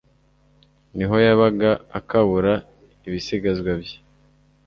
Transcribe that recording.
niho yabaga akabura ibisigazwa bye